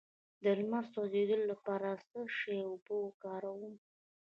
د لمر د سوځیدو لپاره د څه شي اوبه وکاروم؟